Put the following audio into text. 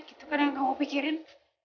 gitu kan yang kamu pikirin